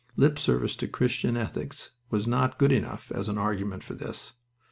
Lip service to Christian ethics was not good enough as an argument for this.